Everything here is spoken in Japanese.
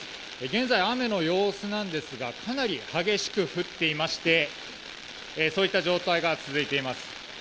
現在、雨の様子ですがかなり激しく降っていましてそういった状態が続いています。